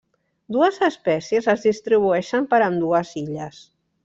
Dues espècies es distribueixen per ambdues illes.